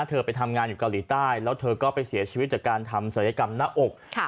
ไปทำงานอยู่เกาหลีใต้แล้วเธอก็ไปเสียชีวิตจากการทำศัลยกรรมหน้าอก